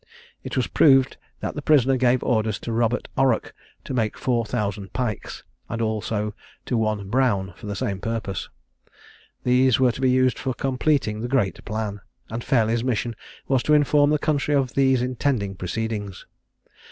It was proved that the prisoner gave orders to Robert Orrock to make four thousand pikes; and also to one Brown for the same purpose. These were to be used for completing the great plan; and Fairley's mission was to inform the country of these intended proceedings.